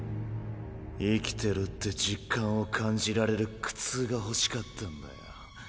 生きてるって実感を感じられる苦痛が欲しかったんだよ。